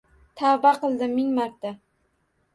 Tavba qildim ming marta